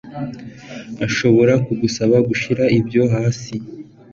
Nshobora kugusaba gushyira ibyo hasi?